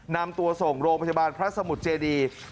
นำตัวส่งโรงพยาบาลพระสมุทรเจดี